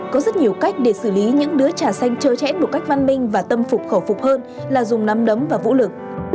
có rất nhiều cách để xử lý những đứa trà xanh chơi chẽn một cách văn minh và tâm phục khẩu phục hơn là dùng nắm đấm và vũ lực